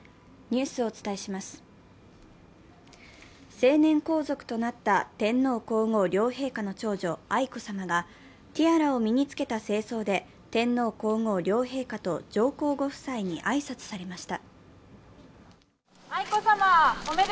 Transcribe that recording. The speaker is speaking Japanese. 成年皇族となった天皇・皇后両陛下の長女・愛子さまがティアラを身に着けた正装で天皇・皇后両陛下と上皇ご夫妻に挨拶されました。